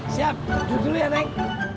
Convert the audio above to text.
siap jual dulu ya neng